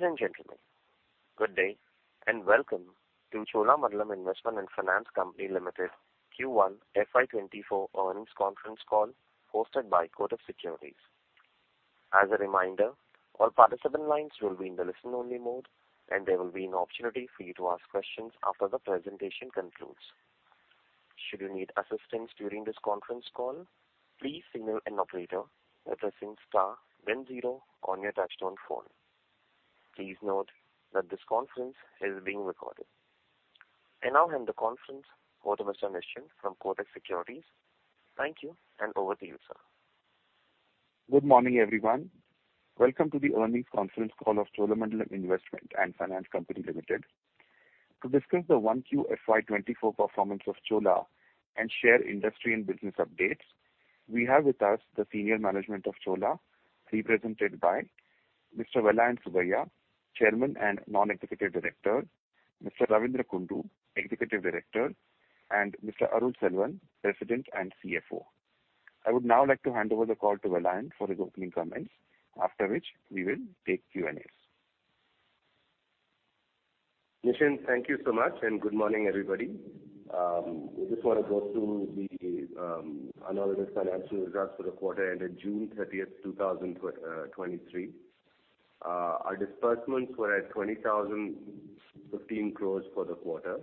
Ladies and gentlemen, good day, and welcome to Cholamandalam Investment and Finance Company Limited Q1 FY 2024 earnings conference call hosted by Kotak Securities. As a reminder, all participant lines will be in the listen-only mode, and there will be an opportunity for you to ask questions after the presentation concludes. Should you need assistance during this conference call, please signal an operator by pressing star then 0 on your touchtone phone. Please note that this conference is being recorded. I now hand the conference over to Mr. Nischint from Kotak Securities. Thank you, and over to you, sir. Good morning, everyone. Welcome to the earnings conference call of Cholamandalam Investment and Finance Company Limited. To discuss the Q1 FY 2024 performance of Chola and share industry and business updates, we have with us the senior management of Chola, represented by Mr. Vellayan Subbiah, Chairman and Non-Executive Director; Mr. Ravindra Kundu, Executive Director; and Mr. Arul Selvan, President and CFO. I would now like to hand over the call to Vellayan for his opening comments, after which we will take Q&As. Nischint, thank you so much. Good morning, everybody. I just want to go through the unaudited financial results for the quarter ended June 30th, 2023. Our disbursements were at 20,015 crore for the quarter.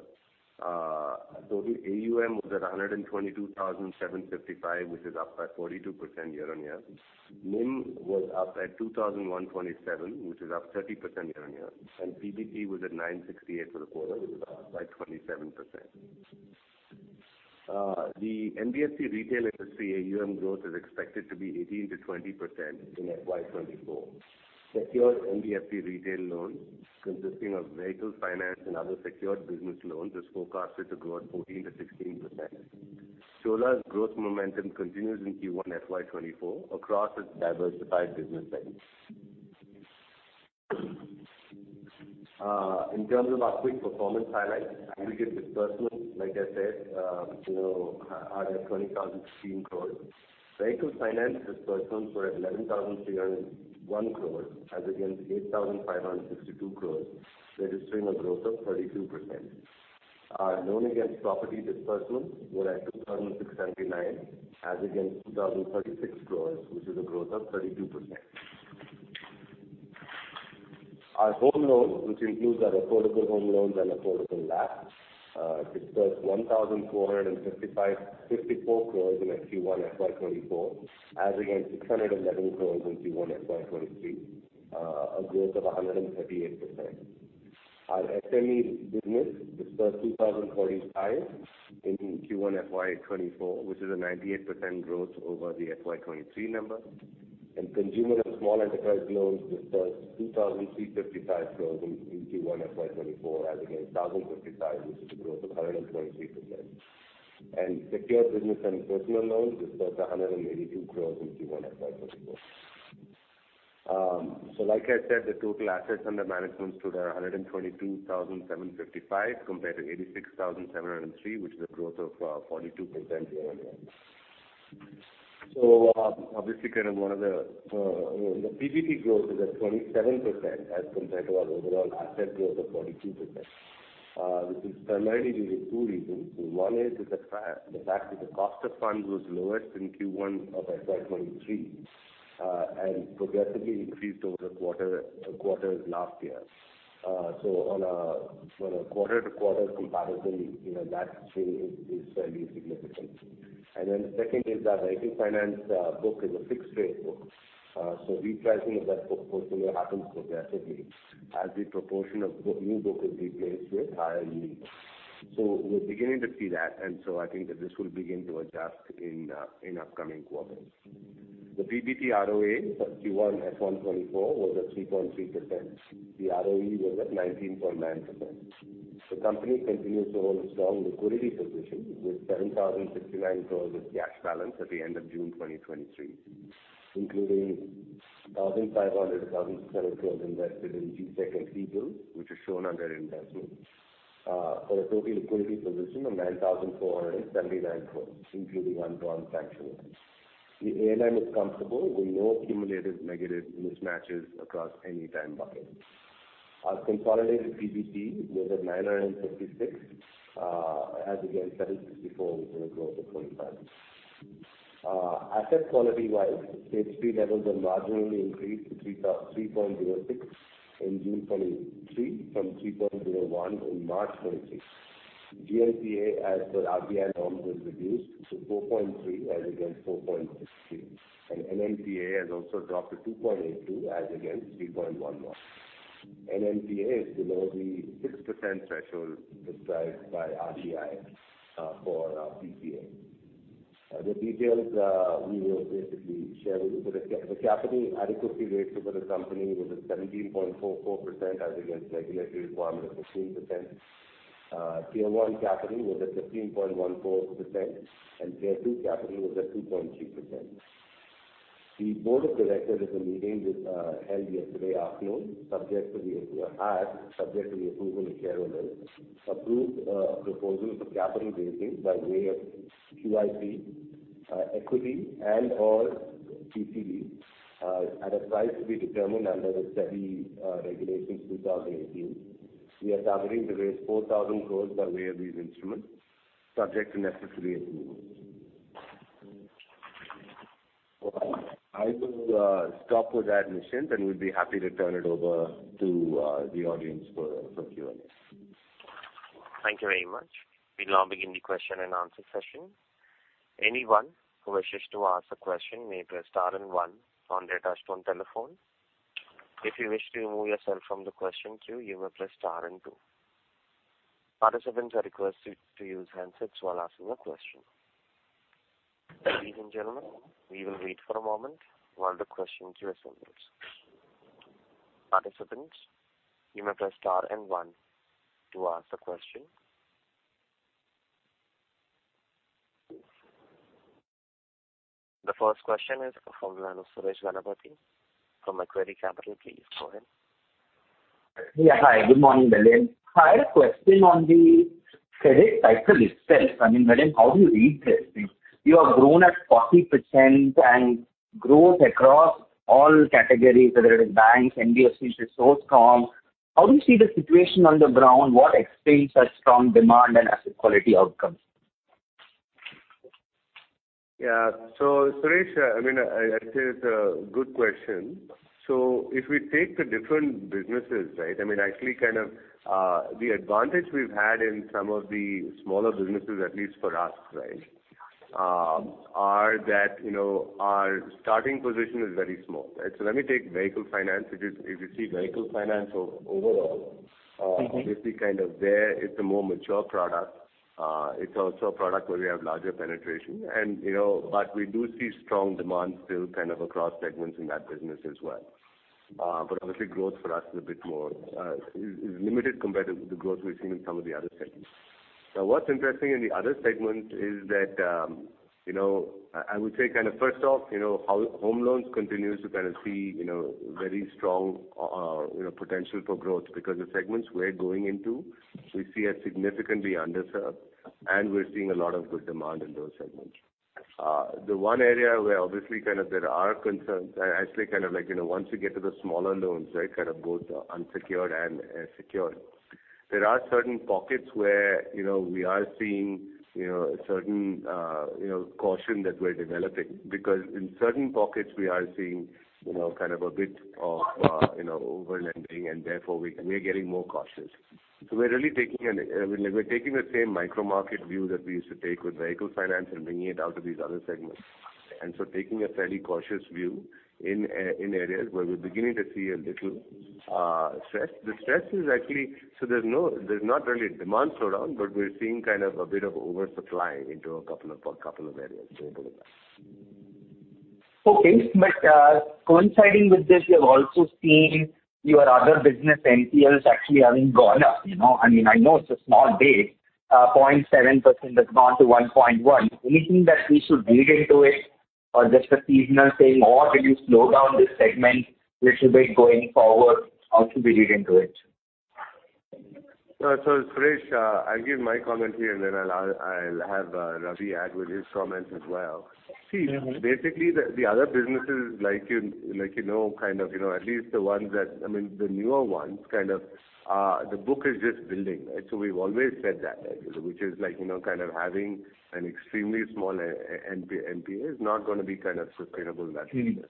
Total AUM was at 122,755 crore, which is up by 42% year-on-year. NIM was up at 2,127 crore, which is up 30% year-on-year. PBT was at 968 crore for the quarter, which is up by 27%. The NBFC retail industry AUM growth is expected to be 18%-20% in FY 2024. Secured NBFC retail loans, consisting of vehicle finance and other secured business loans, is forecasted to grow at 14%-16%. Chola's growth momentum continues in Q1 FY 2024 across its diversified business segments. In terms of our quick performance highlights, aggregate disbursements, like I said, you know, are at 20,015 crore. Vehicle finance disbursements were at 11,301 crore as against 8,562 crore, registering a growth of 32%. Our Loan Against Property disbursements were at 2,679 crore as against 2,036 crore, which is a growth of 32%. Our home loans, which includes our affordable home loans and affordable laps, disbursed INR 1,454 crore in Q1 FY 2024, as against 611 crore in Q1 FY 2023, a growth of 138%. Our SME business disbursed 2,045 crore in Q1 FY 2024, which is a 98% growth over the FY 2023 number. Consumer and small enterprise loans disbursed INR 2,355 crore in Q1 FY 2024, as against 1,055 crore, which is a growth of 123%. Secure business and personal loans disbursed 182 crore in Q1 FY 2024. Like I said, the total assets under management stood at 122,755 crore, compared to 86,703 crore, which is a growth of 42% year-on-year. The PBT growth is at 27% as compared to our overall asset growth of 42%, which is primarily due to two reasons. One is the fact that the cost of funds was lower in Q1 of FY 2023, and progressively increased over the quarters last year. On a, on a quarter-to-quarter comparison, you know, that change is, is fairly significant. The second is that vehicle finance book is a fixed-rate book. Repricing of that book portfolio happens progressively as the proportion of new book is replaced with higher NIM. We're beginning to see that, I think that this will begin to adjust in upcoming quarters. The PBT ROA for Q1 FY 2024 was at 3.3%. The ROE was at 19.9%. The company continues to hold a strong liquidity position, with 7,069 crore as cash balance at the end of June 2023, including 1,500, 1,007 crore invested in G-Sec and T-bills, which is shown under investment, for a total liquidity position of 9,479 crore, including undrawn sanction. The ALM is comfortable, with no cumulative negative mismatches across any time bucket. Our consolidated PBT was at 956, as against INR 764, with a growth of 25%. Asset quality-wise, HP levels have marginally increased to 3.06 in June 2023, from 3.01 in March 2023. GNPA, as per RBI norms, was reduced to 4.3 as against 4.63. NNPA has also dropped to 2.82 as against 3.11. NNPA is below the 6% threshold prescribed by RBI for PCA. The details, we will basically share with... The capital adequacy ratio for the company was at 17.44% as against regulatory requirement of 16%. Tier 1 capital was at 15.14%, and Tier 2 capital was at 2.3%. The board of directors in a meeting which held yesterday afternoon, subject to the approval of shareholders, approved a proposal for capital raising by way of QIP, equity and or PPD, at a price to be determined under the SEBI Regulations 2018. We are targeting to raise 4,000 crore by way of these instruments, subject to necessary approval. I will stop with that, Nishint, and we'll be happy to turn it over to the audience for, for Q&A. Thank you very much. We'll now begin the question-and-answer session. Anyone who wishes to ask a question may press star and one on their touchtone telephone. If you wish to remove yourself from the question queue, you may press star and two. Participants are requested to use handsets while asking a question. Ladies and gentlemen, we will wait for a moment while the questions assemble. Participants, you may press star and one to ask a question. The first question is from the line of Suresh Ganapathy from Macquarie Capital. Please go ahead. Yeah, hi, good morning, everyone. I had a question on the credit cycle itself. I mean, how do you read this? You have grown at 40% and growth across all categories, whether it is banks, NBFC is so strong. How do you see the situation on the ground? What explains such strong demand and asset quality outcomes? Yeah. Suresh, I mean, I think it's a good question. If we take the different businesses, right? I mean, actually, kind of, the advantage we've had in some of the smaller businesses, at least for us, right, are that, you know, our starting position is very small, right? Let me take vehicle finance. If you, if you see vehicle finance overall- Mm-hmm. Obviously, kind of there, it's a more mature product. It's also a product where we have larger penetration and, you know, we do see strong demand still kind of across segments in that business as well. Obviously, growth for us is a bit more, is, is limited compared to the growth we've seen in some of the other segments. What's interesting in the other segment is that, you know, I, I would say kind of first off, you know, our home loans continues to kind of see, you know, very strong, you know, potential for growth. The segments we're going into, we see as significantly underserved, and we're seeing a lot of good demand in those segments. The one area where obviously kind of there are concerns, I, I say kind of like, you know, once you get to the smaller loans, right, kind of both unsecured and, and secured. There are certain pockets where, you know, we are seeing, you know, certain, you know, caution that we're developing. Because in certain pockets, we are seeing, you know, kind of a bit of, you know, overlending, and therefore, we, we are getting more cautious. We're really taking, we're taking the same micromarket view that we used to take with vehicle finance and bringing it out to these other segments. Taking a fairly cautious view in areas where we're beginning to see a little stress. The stress is actually... There's not really a demand slowdown, but we're seeing kind of a bit of oversupply into a couple of, couple of areas available. Okay. coinciding with this, you have also seen your other business NCLs actually having gone up, you know? I mean, I know it's a small base, 0.7% has gone to 1.1%. Anything that we should read into it or just a seasonal thing, or did you slow down this segment little bit going forward? How to be read into it? Suresh, I'll give my comment here, and then I'll, I'll, I'll have Ravi add with his comments as well. Mm-hmm. See, basically, the, the other businesses, like you, like, you know, kind of, you know, at least the ones that... I mean, the newer ones, kind of, the book is just building, right? We've always said that, which is like, you know, kind of having an extremely small NPA is not gonna be kind of sustainable in that business.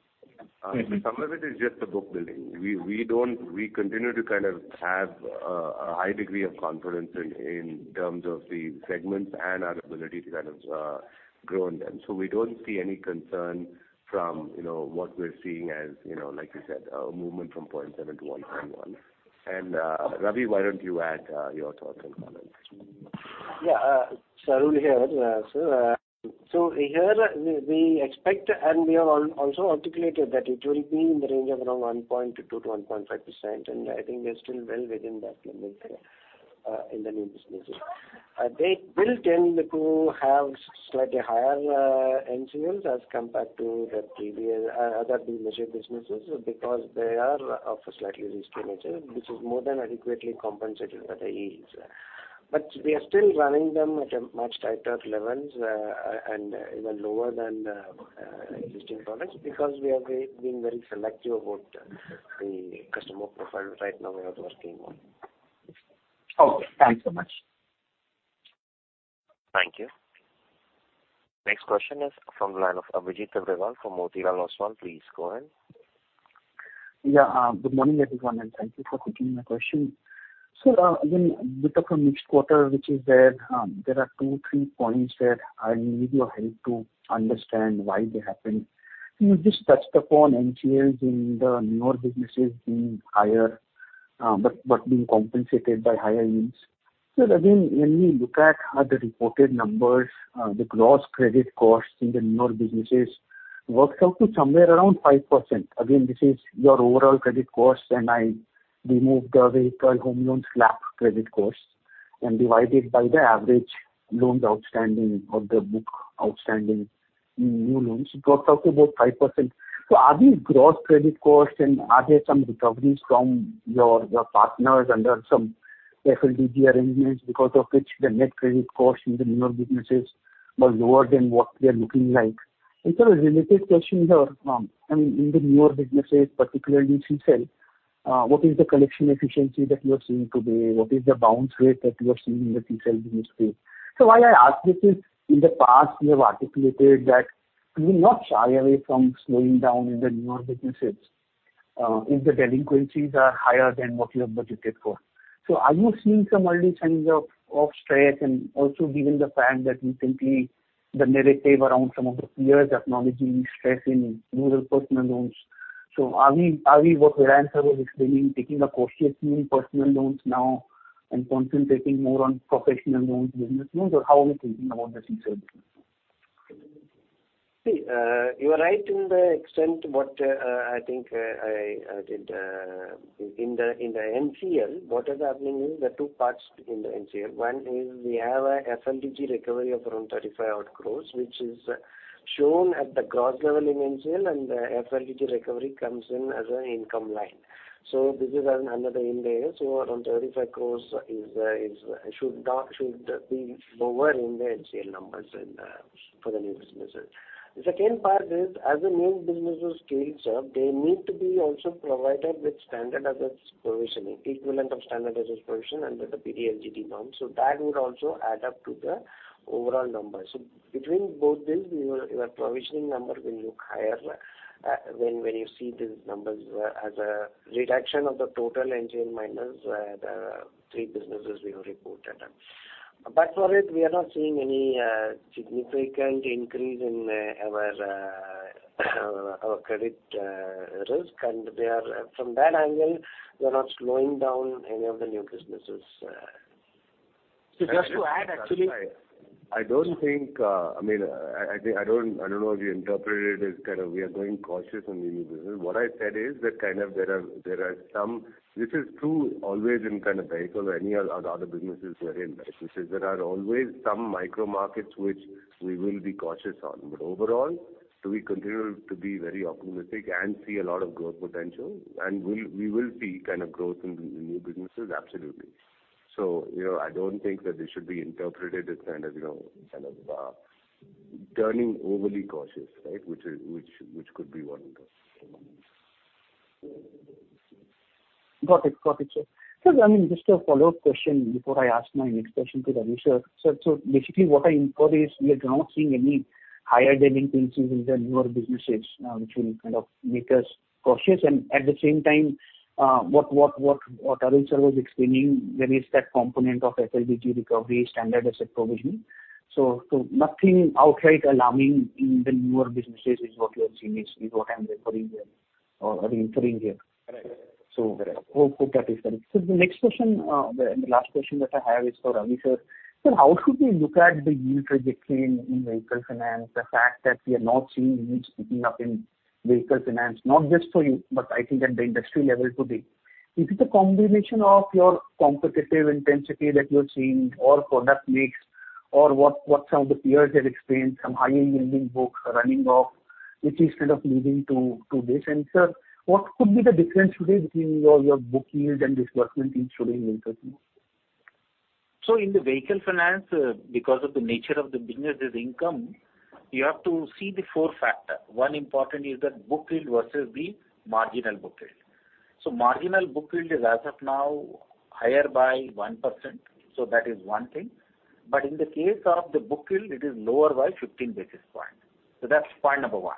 Mm-hmm. Mm-hmm. Some of it is just the book building. We, we don't- we continue to kind of have a, a high degree of confidence in, in terms of the segments and our ability to kind of grow in them. We don't see any concern from, you know, what we're seeing as, you know, like you said, a movement from 0.7 to 1.1. Ravi, why don't you add your thoughts and comments? Yeah, Arul Selvan here. Here we expect, and we have also articulated, that it will be in the range of around 1.2%-1.5%, and I think we're still well within that limit in the new businesses. They will tend to have slightly higher NCLs as compared to the previous other major businesses, because they are of a slightly risky nature, which is more than adequately compensated by the yields. We are still running them at a much tighter levels, and even lower than the existing products, because we have been, been very selective about the customer profile right now we are working on. Okay, thanks so much. Thank you. Next question is from the line of Apurva T from Motilal Oswal. Please go ahead. Good morning, everyone, and thank you for taking my question. When we look at from each quarter, which is where, there are two, three points where I need your help to understand why they happen. You just touched upon NCLs in the newer businesses being higher, but being compensated by higher yields. Again, when we look at how the reported numbers, the gross credit costs in the newer businesses works out to somewhere around 5%. Again, this is your overall credit costs, and I removed the vehicle, home loan LAP credit costs and divide it by the average loans outstanding or the book outstanding in new loans. It works out to about 5%. Are these gross credit costs, and are there some recoveries from your, your partners under some-... FLDG arrangements, because of which the net credit cost in the newer businesses are lower than what we are looking like. A related question here, and in the newer businesses, particularly in retail, what is the collection efficiency that you are seeing today? What is the bounce rate that you are seeing in the retail industry? Why I ask this is, in the past, you have articulated that you will not shy away from slowing down in the newer businesses, if the delinquencies are higher than what you have budgeted for. Are you seeing some early signs of stress, and also given the fact that recently the narrative around some of the peers acknowledging stress in rural personal loans. Are we, what Vellayan sir was explaining, taking a cautious view in personal loans now and concentrating more on professional loans, business loans, or how are we thinking about this research? See, you are right in the extent, but, I think, I, I did... In the, in the NCL, what is happening is there are two parts in the NCL. One is we have a FLDG recovery of around 35 odd crores, which is shown at the gross level in NCL, and the FLDG recovery comes in as an income line. This is another in there. Around 35 crores is, is, should not, should be lower in the NCL numbers and, for the new businesses. The second part is, as the new businesses scale up, they need to be also provided with standard assets provisioning, equivalent of standard assets provision under the PD/LGD norm. That would also add up to the overall number. Between both these, your, your provisioning number will look higher, when, when you see these numbers as a reduction of the total NCL minus, the three businesses we have reported. For it, we are not seeing any significant increase in our, our credit risk. From that angle, we are not slowing down any of the new businesses. Just to add, actually. I, I don't think, I mean, I don't know if you interpreted it as kind of we are going cautious on the new business. What I said is that kind of there are, there are some... This is true always in kind of vehicle or any other businesses we are in, which is there are always some micro markets which we will be cautious on. Overall, we continue to be very optimistic and see a lot of growth potential, and we'll, we will see kind of growth in the new businesses, absolutely. you know, I don't think that this should be interpreted as kind of, you know, kind of turning overly cautious, right? Which is, which, which could be one of those. Got it. Got it, sir. I mean, just a follow-up question before I ask my next question to Ravi sir. Basically what I inquire is, we are not seeing any higher delinquencies in the newer businesses, which will kind of make us cautious. At the same time, what Ravi sir was explaining, there is that component of FLDG recovery, standard asset provisioning. Nothing outright alarming in the newer businesses is what you have seen, is what I'm referring here or referring here. Correct. Hope, hope that is correct. The next question, the, and the last question that I have is for Ravi, sir. Sir, how should we look at the yield trajectory in vehicle finance? The fact that we are not seeing yields picking up in vehicle finance, not just for you, but I think at the industry level today. Is it a combination of your competitive intensity that you're seeing or product mix, or what, what some of the peers have experienced, some higher-yielding books are running off, which is kind of leading to this? Sir, what could be the difference today between your book yield and disbursement yield today in vehicle finance? In the vehicle finance, because of the nature of the business's income, you have to see the 4 factor. One important is that book yield versus the marginal book yield. Marginal book yield is, as of now, higher by 1%, that is 1 thing. In the case of the book yield, it is lower by 15 basis points. That's point number 1.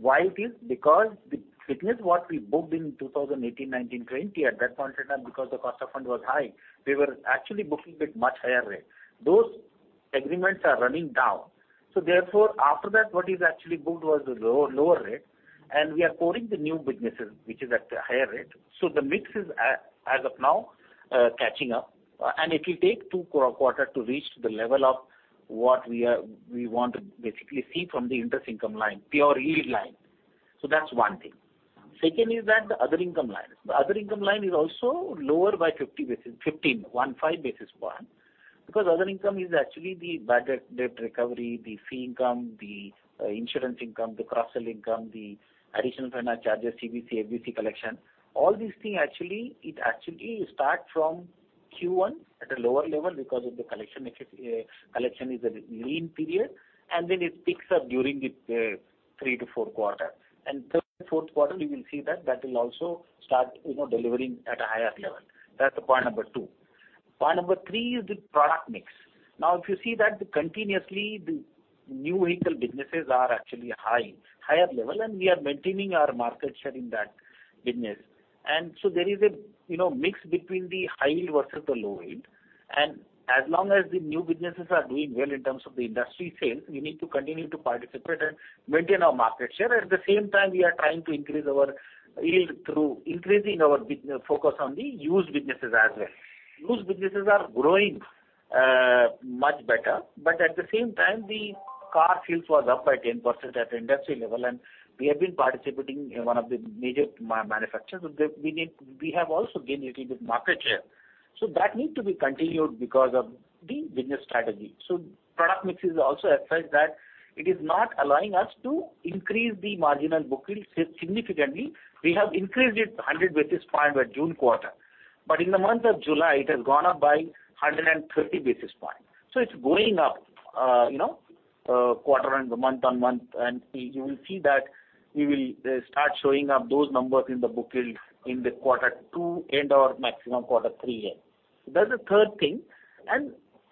Why it is? Because the business what we booked in 2018, 2019, 2020, at that point in time, because the cost of fund was high, we were actually booking with much higher rate. Those agreements are running down. Therefore, after that, what is actually booked was a lower, lower rate, and we are pouring the new businesses, which is at a higher rate. The mix is as of now catching up. It will take 2 quarters to reach the level of what we want to basically see from the interest income line, pure yield line. That's one thing. Second is that the other income line. The other income line is also lower by 15 basis points, because other income is actually the bad debt, debt recovery, the fee income, the insurance income, the cross-sell income, the additional finance charges, CBC, ABC collection. All these things actually, it actually start from Q1 at a lower level because of the collection, collection is a lean period, and then it picks up during the 3-4 quarters. Third, fourth quarter, you will see that, that will also start, you know, delivering at a higher level. That's the point number 2. Point number 3 is the product mix. Now, if you see that continuously, the new vehicle businesses are actually high, higher level, and we are maintaining our market share in that business. So there is a, you know, mix between the high yield versus the low yield. As long as the new businesses are doing well in terms of the industry sales, we need to continue to participate and maintain our market share. At the same time, we are trying to increase our yield through increasing our business focus on the used businesses as well. Used businesses are growing much better, but at the same time, the car sales was up by 10% at industry level, and we have been participating in one of the major manufacturers. We have also gained a little bit market share. That need to be continued because of the business strategy. Product mix is also such that it is not allowing us to increase the marginal book yield significantly. We have increased it 100 basis point by June quarter. In the month of July, it has gone up by 130 basis point. It's going up, you know, quarter and month-on-month, and you will see that we will start showing up those numbers in the book build in the quarter 2 and or maximum quarter 3 end. That's the third thing.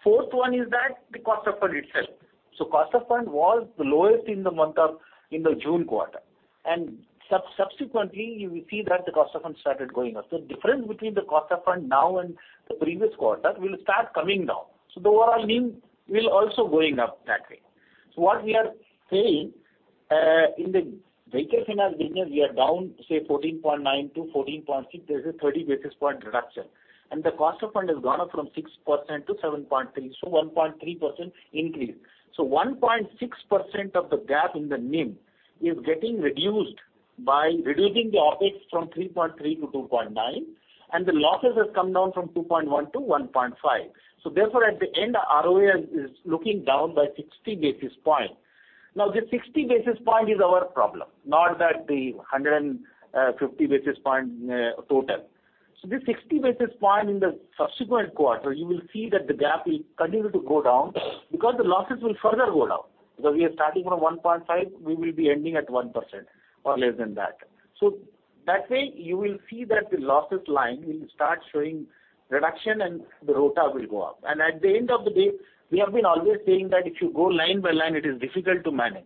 Fourth one is that the cost of fund itself. Cost of fund was the lowest in the month of, in the June quarter, and subsequently, you will see that the cost of fund started going up. The difference between the cost of fund now and the previous quarter will start coming down, so the overall NIM will also going up that way. What we are saying, in the vehicle finance business, we are down, say, 14.9 to 14.6. There's a 30 basis point reduction. The cost of fund has gone up from 6% to 7.3, so 1.3% increase. One point six percent of the gap in the NIM is getting reduced by reducing the OpEx from 3.3 to 2.9, and the losses has come down from 2.1 to 1.5. Therefore, at the end, our ROA is, is looking down by 60 basis point. The 60 basis point is our problem, not that the 150 basis point total. This 60 basis points in the subsequent quarter, you will see that the gap will continue to go down because the losses will further go down. We are starting from 1.5, we will be ending at 1% or less than that. That way, you will see that the losses line will start showing reduction, and the ROTA will go up. At the end of the day, we have been always saying that if you go line by line, it is difficult to manage.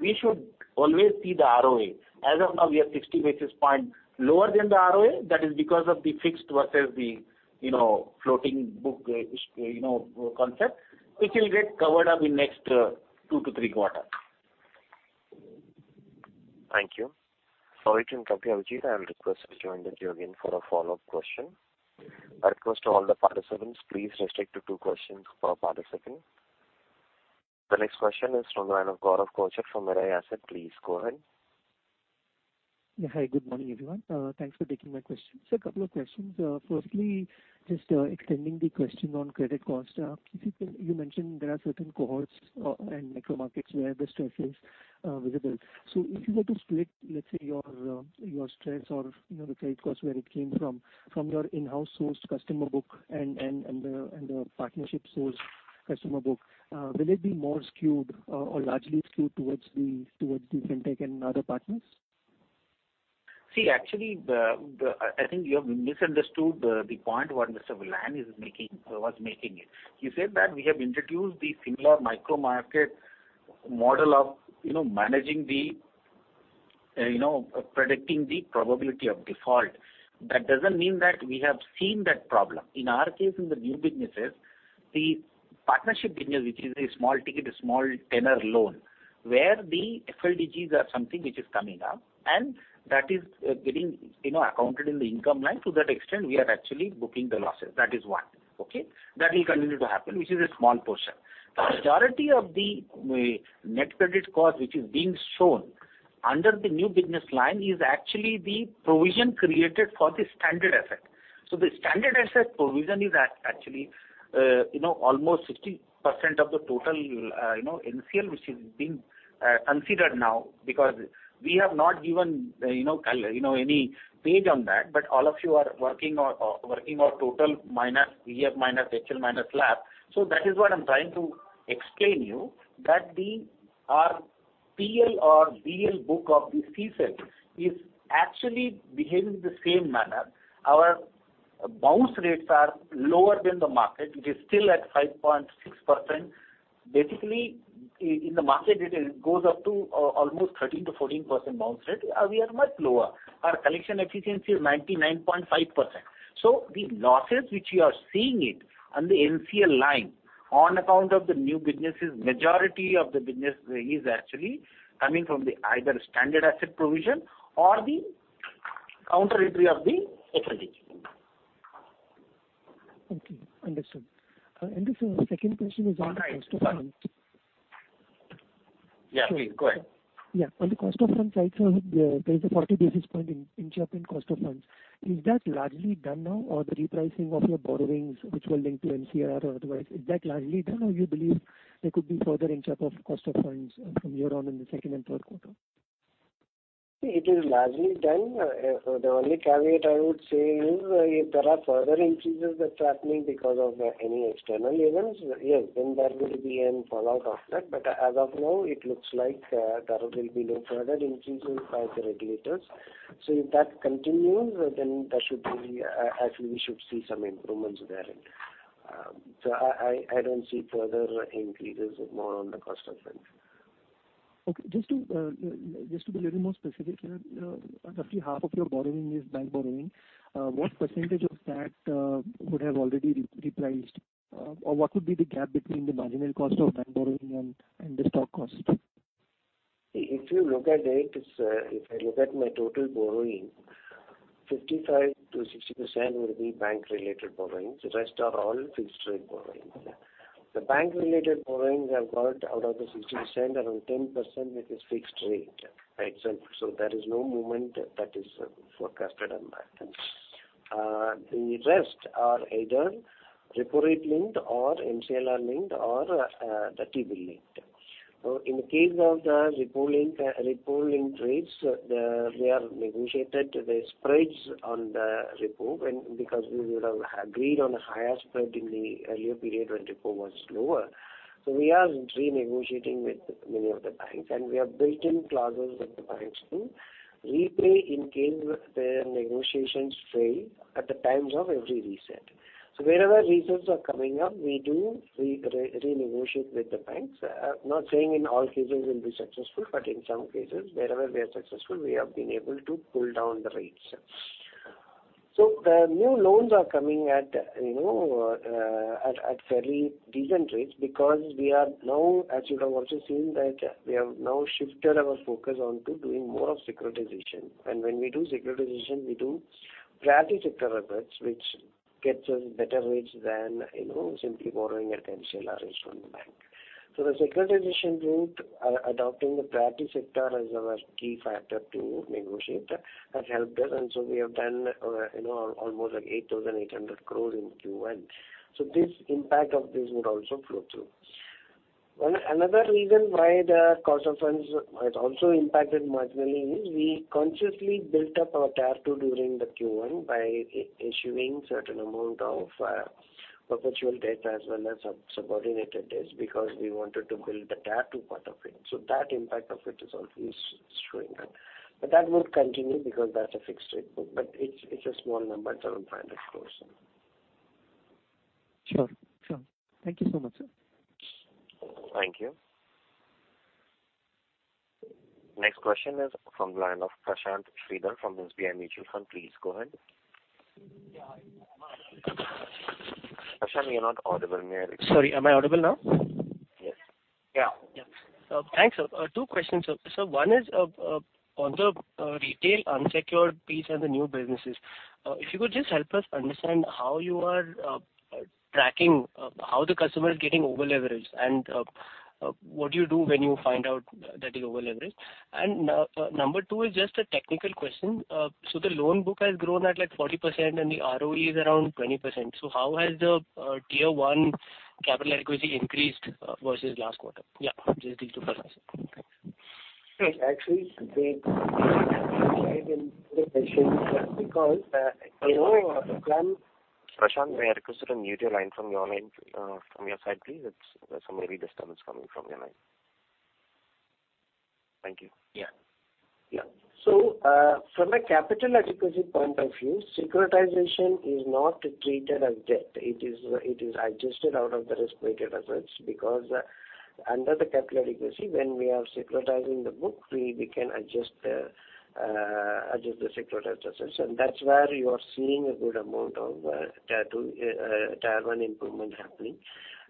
We should always see the ROA. As of now, we are 60 basis points lower than the ROA. That is because of the fixed versus the, you know, floating book, you know, concept, which will get covered up in next two to three quarters. Thank you. Sorry to interrupt you, Ajit. I will request you to join with you again for a follow-up question. I request to all the participants, please restrict to 2 questions per participant. The next question is from the line of Gaurav Kochar from Mirae Asset. Please go ahead. Yeah. Hi, good morning, everyone. Thanks for taking my questions. A couple of questions. Firstly, just extending the question on credit cost. If you mentioned there are certain cohorts and micro markets where the stress is visible. If you were to split, let's say, your, your stress or, you know, the credit cost, where it came from, from your in-house sourced customer book and the partnership sourced customer book, will it be more skewed or largely skewed towards the fintech and other partners? See, actually, the, the... I think you have misunderstood the, the point whatMr. Vellayan is making, was making it. He said that we have introduced the similar micro market model of, you know, managing the, you know, predicting the probability of default. That doesn't mean that we have seen that problem. In our case, in the new businesses, the partnership business, which is a small ticket, a small tenure loan, where the FLDG are something which is coming up, and that is getting, you know, accounted in the income line. To that extent, we are actually booking the losses. That is one, okay? That will continue to happen, which is a small portion. Okay. The majority of the net credit cost, which is being shown under the new business line, is actually the provision created for the standard asset. The standard asset provision is actually, you know, almost 60% of the total, you know, NCL, which is being considered now, because we have not given, you know, any page on that, but all of you are working on total minus EF, minus HL, minus LAP. That is what I'm trying to explain you, that the, our PL or BL book of the C-Cell is actually behaving the same manner. Our bounce rates are lower than the market. It is still at 5.6%. Basically, in the market, it goes up to 13%-14% bounce rate. We are much lower. Our collection efficiency is 99.5%. The losses which you are seeing it on the NCL line, on account of the new businesses, majority of the business is actually coming from the either standard asset provision or the counter entry of the FLDG. Okay, understood. The second question is on the cost of funds. Yeah, please go ahead. Yeah. On the cost of funds side, so there is a 40 basis point in, in jump in cost of funds. Is that largely done now or the repricing of your borrowings, which were linked to NCL or otherwise, is that largely done, or you believe there could be further inch up of cost of funds from here on in the second and third quarter? It is largely done. The only caveat I would say is, if there are further increases that are happening because of any external events, yes, then there will be an fallout of that. As of now, it looks like there will be no further increases by the regulators. If that continues, then there should be, actually, we should see some improvements there. I, I, I don't see further increases more on the cost of funds. Okay. Just to, just to be a little more specific here, roughly half of your borrowing is bank borrowing. What percentage of that, would have already re- repriced? Or what would be the gap between the marginal cost of bank borrowing and the stock cost? If you look at it, if I look at my total borrowing, 55%-60% will be bank-related borrowings. The rest are all fixed-rate borrowings. The bank-related borrowings I've got out of the 60%, around 10%, which is fixed rate. Right? There is no movement that is forecasted on that. The rest are either repo rate linked or MCLR linked or the T-bill linked. In the case of the repo link, repo link rates, they are negotiated the spreads on the repo, when because we would have agreed on a higher spread in the earlier period when repo was lower. We are renegotiating with many of the banks, and we have built in clauses with the banks to repay in case the negotiations fail at the times of every reset. Wherever resets are coming up, we do renegotiate with the banks. Not saying in all cases we'll be successful, but in some cases, wherever we are successful, we have been able to pull down the rates. The new loans are coming at, you know, at fairly decent rates because we are now, as you have also seen, that we have now shifted our focus on to doing more of securitization. When we do securitization, we do priority sector approach, which gets us better rates than, you know, simply borrowing at MCLR from the bank. The securitization route, adopting the priority sector as our key factor to negotiate, has helped us, and we have done, you know, almost like 8,800 crore in Q1. Another reason why the cost of funds has also impacted marginally is we consciously built up our Tier 2 during the Q1 by issuing certain amount of perpetual debt as well as subordinated debts, because we wanted to build the Tier 2 part of it. That impact of it is also showing up. That would continue because that's a fixed rate book, but it's a small number, 700 crore. Sure. Sure. Thank you so much, sir. Thank you. Next question is from the line of Pranav Shinde from SBI Mutual Fund. Please go ahead. Yeah, Prashant, you're not audible, may I- Sorry, am I audible now? Yes. Yeah. Yeah. Thanks, sir. Two questions. One is on the retail unsecured piece and the new businesses. If you could just help us understand how you are tracking how the customer is getting over-leveraged, and what do you do when you find out that he over-leveraged? Number 2 is just a technical question. The loan book has grown at, like, 40% and the ROE is around 20%. How has the Tier 1 capital adequacy increased versus last quarter? Yeah, just these two questions. Thank you. Actually, the because, you know. Prashant, may I request you to mute your line from your end, from your side, please? There's some maybe disturbance coming from your line. Thank you. Yeah. Yeah. From a capital adequacy point of view, securitization is not treated as debt. It is, it is adjusted out of the risk-weighted assets, because under the capital adequacy, when we are securitizing the book, we, we can adjust the adjust the securitized assets. That's where you are seeing a good amount of Tier 2, Tier 1 improvement happening.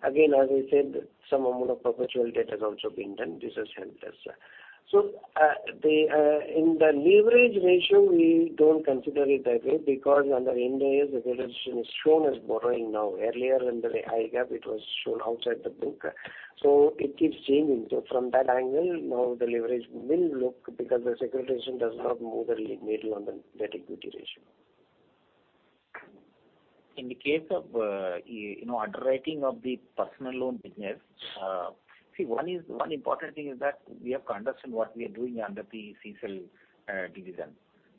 Again, as I said, some amount of perpetual debt has also been done. This has helped us. The in the leverage ratio, we don't consider it that way, because under India, it is shown as borrowing now. Earlier, under the IGAAP, it was shown outside the book, so it keeps changing. From that angle, now the leverage will look because the securitization does not move the needle on the debt equity ratio. In the case of, you know, underwriting of the personal loan business, see, one important thing is that we have conducted what we are doing under the C-Cell division.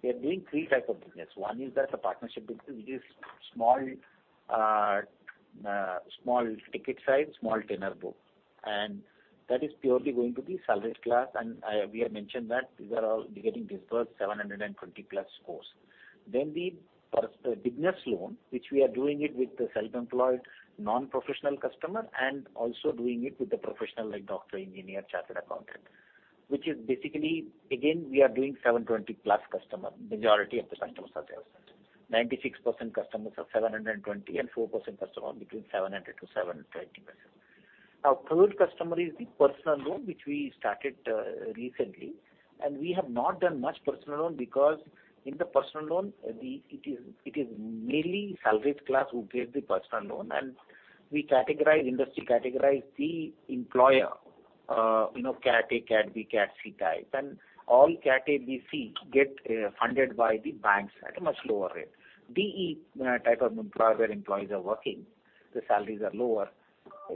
We are doing three type of business. One is that the partnership business, which is small, small ticket size, small tenor book, and that is purely going to be salaried class. I, we have mentioned that these are all getting dispersed 720+ scores. The business loan, which we are doing it with the self-employed, non-professional customer and also doing it with the professional like doctor, engineer, chartered accountant, which is basically again, we are doing 720+ customer. Majority of the customers are there. 96% customers are 720, and 4% customer are between 700 to 720%. Our third customer is the personal loan, which we started recently, and we have not done much personal loan because in the personal loan, it is, it is mainly salaried class who gave the personal loan. We categorize, industry categorize the employer, you know, Cat A, Cat B, Cat C type. All Cat A, B, C get funded by the banks at a much lower rate. DE type of employer, where employees are working, the salaries are lower.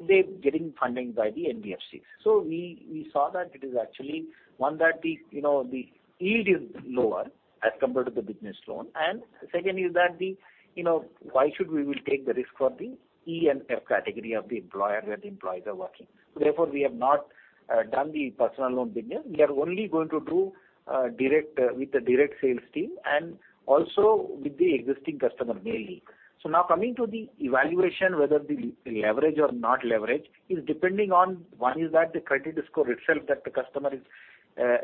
They're getting funding by the NBFCs. We, we saw that it is actually, one, that, you know, the yield is lower as compared to the business loan. Second is that, you know, why should we will take the risk for the E and F category of the employer, where the employees are working? Therefore, we have not done the personal loan business. We are only going to do with the direct sales team and also with the existing customer, mainly. Now coming to the evaluation, whether the leverage or not leverage, is depending on, one is that the credit score itself, that the customer is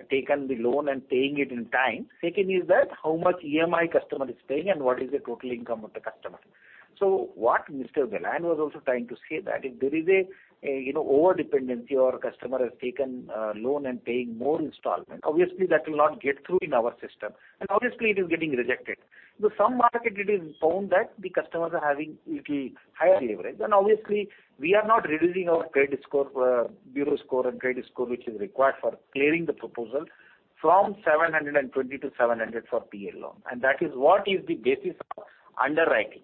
taken the loan and paying it in time. Second is that how much EMI customer is paying and what is the total income of the customer. What Mr. Jalan was also trying to say that if there is a, you know, over-dependency or customer has taken loan and paying more installment, obviously that will not get through in our system, and obviously it is getting rejected. Some market it is found that the customers are having little higher leverage. Obviously, we are not reducing our credit score, bureau score and credit score, which is required for clearing the proposal from 720 to 700 for PA loan. That is what is the basis of underwriting.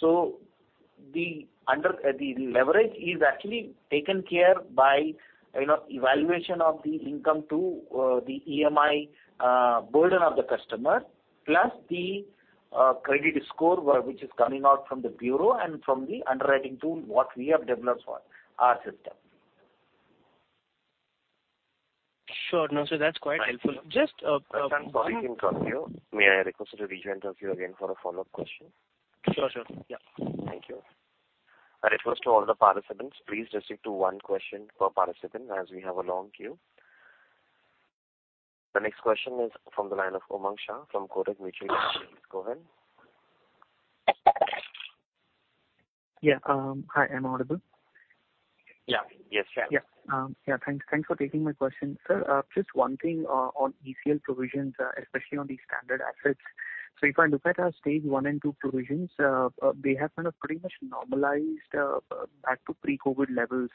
The under, the leverage is actually taken care by, you know, evaluation of the income to the EMI burden of the customer, plus the credit score where which is coming out from the bureau and from the underwriting tool, what we have developed for our system. Sure. No, sir, that's quite helpful. Just. I'm sorry to interrupt you. May I request you to re-enter queue again for a follow-up question? Sure, sure. Yeah. Thank you. I request to all the participants, please stick to one question per participant, as we have a long queue. The next question is from the line of Umang Shah from Kotak Mahindra. Go ahead. Yeah. Hi, am I audible? Yeah. Yes, sure. Yeah. Yeah, thanks, thanks for taking my question. Sir, just one thing on ECL provisions, especially on the standard assets. If I look at our stage one and two provisions, they have kind of pretty much normalized back to pre-COVID levels.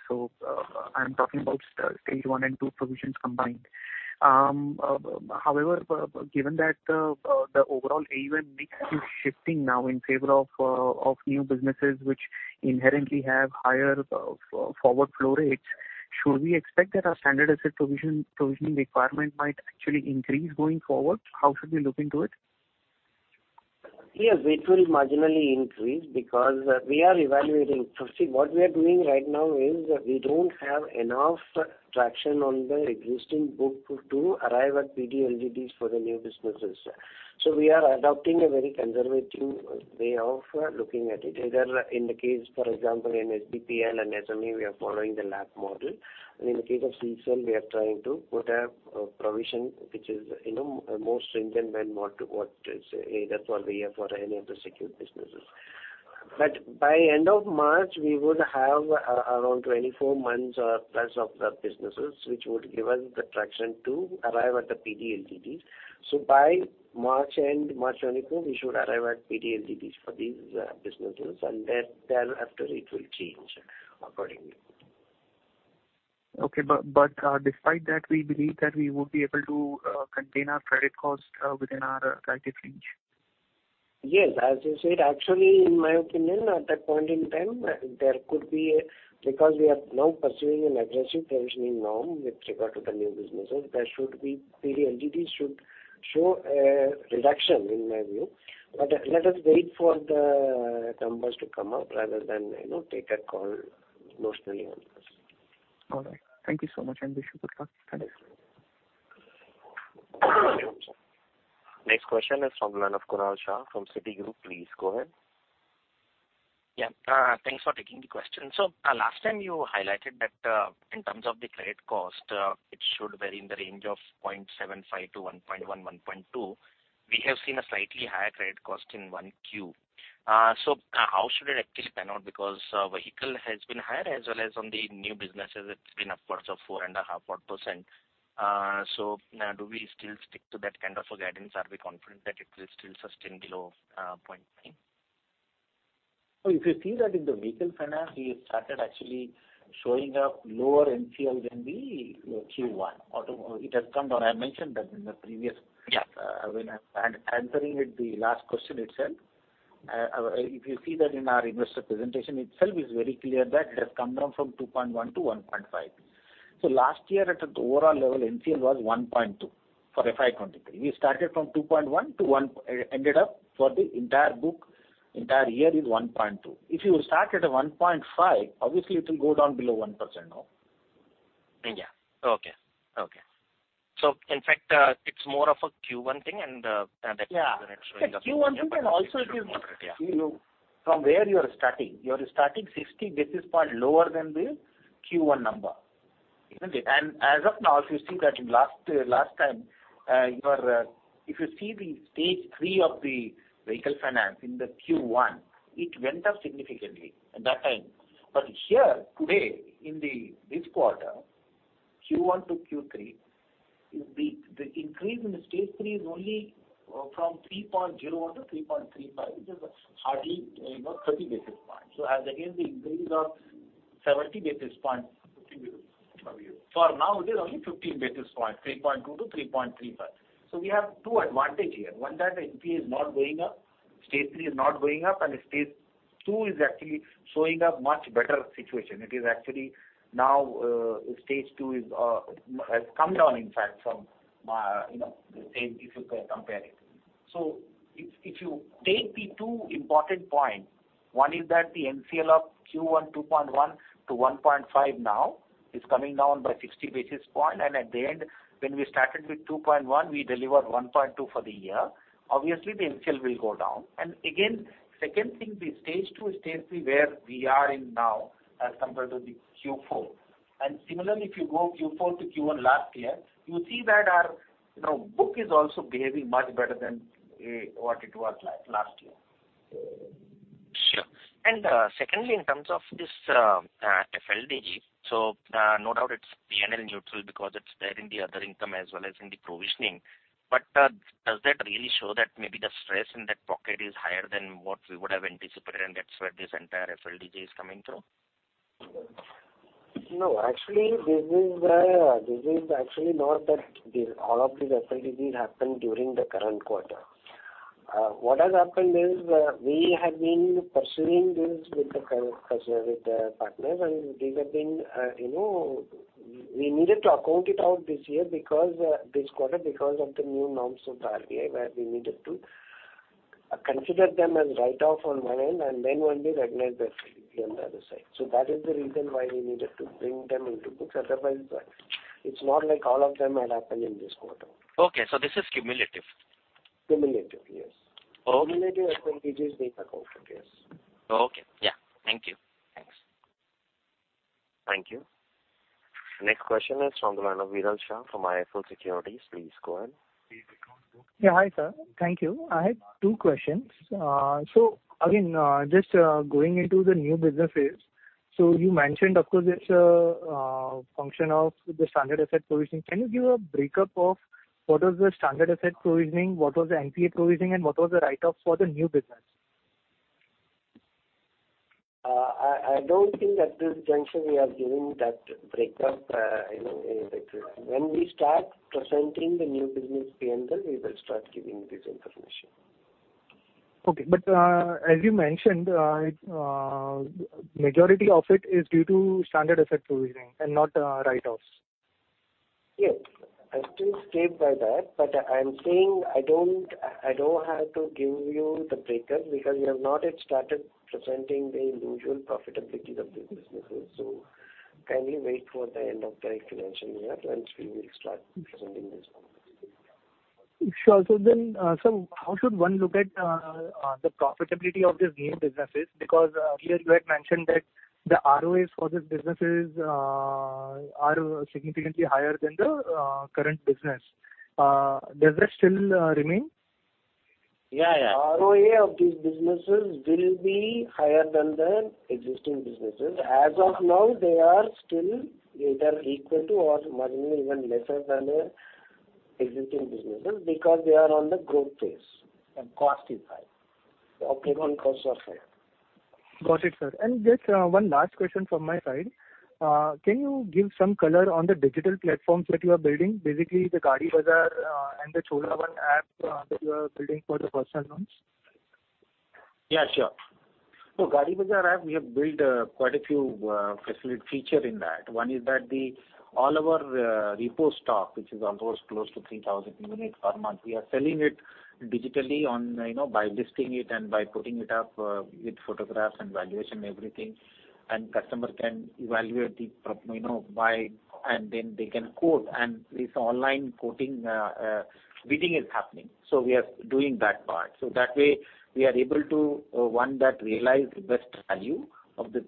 I'm talking about stage one and two provisions combined. However, given that the overall AUM mix is shifting now in favor of new businesses which inherently have higher forward flow rates, should we expect that our standard asset provision, provisioning requirement might actually increase going forward? How should we look into it? Yes, it will marginally increase because we are evaluating. See, what we are doing right now is, we don't have enough traction on the existing book to arrive at PD/LGDs for the new businesses. We are adopting a very conservative way of looking at it. Either in the case, for example, in SBPL and SME, we are following the LAP model. In the case of C-Cell, we are trying to put a, a provision which is, you know, more stringent than what, what is either for we or for any of the secured businesses. By end of March, we would have around 24 months or plus of the businesses, which would give us the traction to arrive at the PD/LGDs. By March end, March 2024, we should arrive at PD/LGDs for these businesses, and then, then after it will change accordingly. Okay. but, despite that, we believe that we would be able to contain our credit cost within our guided range. Yes, as you said, actually, in my opinion, at that point in time, there could be a... Because we are now pursuing an aggressive provisioning norm with regard to the new businesses, there should be, PDLGT should show a reduction in my view. Let us wait for the numbers to come up rather than, you know, take a call mostly on this. All right. Thank you so much, and wish you good luck. Thank you. Next question is from the line of Kunal Shah from Citigroup. Please go ahead. Yeah. Thanks for taking the question. Last time you highlighted that in terms of the credit cost, it should vary in the range of 0.75 to 1.1, 1.2. We have seen a slightly higher credit cost in 1Q. How should it actually pan out? Because vehicle has been higher, as well as on the new businesses, it's been upwards of 4.5% odd percent. Now do we still stick to that kind of a guidance? Are we confident that it will still sustain below 0.9? If you see that in the vehicle finance, we started actually showing up lower NCL than the Q1. It has come down. I mentioned that in the previous- Yeah. When I'm answering with the last question itself. If you see that in our investor presentation itself, it's very clear that it has come down from 2.1 to 1.5. Last year, at the overall level, NCL was 1.2 for FY 2023. We started from 2.1. Ended up for the entire book, entire year is 1.2. You start at a 1.5, obviously it will go down below 1% now. Yeah. Okay, okay. In fact, it's more of a Q1 thing, and that's where it's showing up. Yeah. Q1 and also it is- Yeah. From where you are starting. You are starting 60 basis points lower than the Q1 number, isn't it? As of now, if you see that in last, last time, your, if you see the Stage 3 of the vehicle finance in the Q1, it went up significantly at that time. Here, today, in this quarter, Q1-Q3, the increase in Stage 3 is only from 3.0 to 3.35, which is hardly, you know, 30 basis points. As again, the increase of 70 basis points. For now, it is only 15 basis points, 3.2 to 3.35. We have 2 advantages here. One, that NCL is not going up, Stage 3 is not going up, and Stage 2 is actually showing a much better situation. It is actually now, stage two is has come down, in fact, from, you know, the same if you compare it. If, if you take the two important point, one is that the NCL of Q1, 2.1 to 1.5 now, is coming down by 60 basis point, and at the end, when we started with 2.1, we delivered 1.2 for the year. Obviously, the NCL will go down. Again, second thing, the stage two and stage three, where we are in now as compared to the Q4. Similarly, if you go Q4 to Q1 last year, you see that our, you know, book is also behaving much better than what it was like last year. Sure. Secondly, in terms of this FLDG, so no doubt it's PNL neutral because it's there in the other income as well as in the provisioning. Does that really show that maybe the stress in that pocket is higher than what we would have anticipated, and that's where this entire FLDG is coming through? No, actually, this is, this is actually not that the all of these FTDs happened during the current quarter. What has happened is, we had been pursuing this with the with partners, and these have been, you know, we needed to account it out this year because, this quarter, because of the new norms of the RBI, where we needed to, consider them and write off on one end, and then only recognize the FTD on the other side. That is the reason why we needed to bring them into books. Otherwise, it's not like all of them had happened in this quarter. Okay, this is cumulative? Cumulative, yes. Okay. Cumulative FTDs we've accounted, yes. Okay. Yeah. Thank you. Thanks. Thank you. Next question is from the line of Viral Shah from IIFL Securities. Please go ahead. Yeah, hi, sir. Thank you. I have 2 questions. Again, going into the new business phase. You mentioned, of course, it's a function of the standard asset provisioning. Can you give a breakup of what is the standard asset provisioning, what was the NPA provisioning, and what was the write-off for the new business? I, I don't think at this juncture we are giving that breakup, you know, when we start presenting the new business P&L, we will start giving this information. Okay. As you mentioned, majority of it is due to standard asset provisioning and not, write-offs. Yes, I still stand by that. I'm saying I don't, I don't have to give you the breakup because we have not yet started presenting the usual profitability of these businesses. Kindly wait for the end of the financial year. We will start presenting this one. Sure. How should one look at the profitability of these new businesses? Because earlier you had mentioned that the ROAs for these businesses are significantly higher than the current business. Does that still remain? Yeah, yeah. ROA of these businesses will be higher than the existing businesses. As of now, they are still either equal to or marginally even lesser than the existing businesses, because they are on the growth phase and costly file, upfront costs are high. Got it, sir. Just one last question from my side. Can you give some color on the digital platforms that you are building? Basically, the Gaadi Bazaar and the Chola One app that you are building for the personal loans. Yeah, sure. Gaadi Bazaar app, we have built, quite a few, facility feature in that. One is that the, all our repo stock, which is almost close to 3,000 units per month, we are selling it digitally on, you know, by listing it and by putting it up, with photographs and valuation, everything. Customer can evaluate the, you know, buy, and then they can quote, and this online quoting, bidding is happening. We are doing that part. That way, we are able to, 1, that realize the best value of the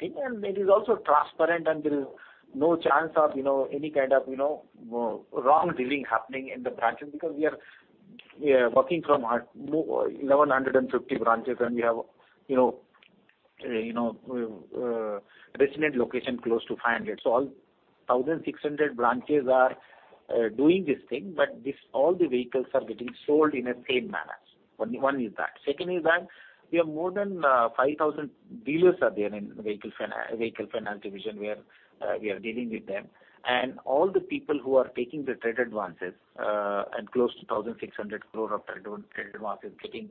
thing, and it is also transparent and there is no chance of any kind of wrong dealing happening in the branches, because we are, we are working from our 1,150 branches, and we have resident location close to 500. All 1,600 branches are doing this thing, but this, all the vehicles are getting sold in a same manner. 1, 1 is that. Second is that, we have more than 5,000 dealers are there in vehicle finance division, where we are dealing with them. All the people who are taking the trade advances, and close to 1,600 crore of trade, trade advances getting